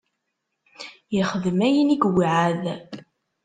Yexdem ayen i iweɛɛed.